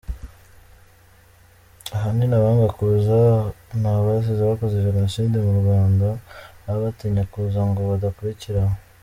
Ahanini abanga kuza ni abasize bakoze Jenoside mu Rwanda baba batinya kuza ngo badakurikiranwa”.